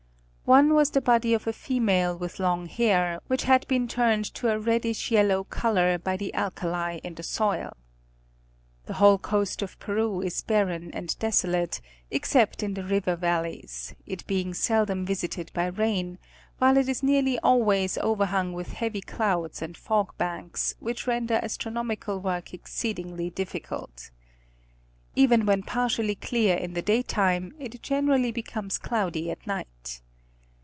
One was the body of a female with long hair, which had been turned to a reddish yellow color by the alkali in the soil. The whole coast of Peru is barren and desolate, except in the river valleys, it being seldom visited by rain, while it is nearly always overhung with heavy clouds and fog banks, which render astro nomical work exceedingly difficult. Even when partially clear in the day time, it generally becomes cloudy at night.